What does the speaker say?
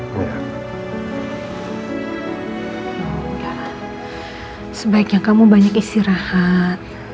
gak lah sebaiknya kamu banyak istirahat